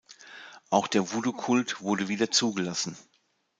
Auch der Voodoo-Kult wurde wieder zugelassen.